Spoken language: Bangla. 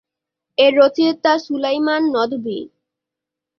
এর রচয়িতা সুলাইমান নদভী।